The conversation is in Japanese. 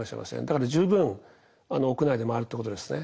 だから十分屋内で回るってことですね。